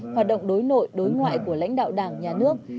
hoạt động đối nội đối ngoại của lãnh đạo đảng nhà nước